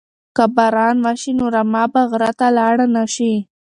که باران وشي نو رمه به غره ته لاړه نشي.